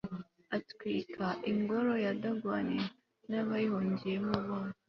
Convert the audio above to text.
atwika 'ingoro ya dagoni n'abayihungiyemo bose